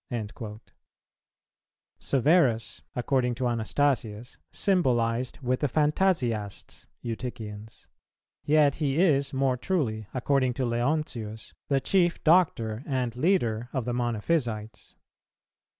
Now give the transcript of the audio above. "[315:3] Severus, according to Anastasius,[315:3] symbolized with the Phantasiasts (Eutychians), yet he is more truly, according to Leontius, the chief doctor and leader of the Monophysites.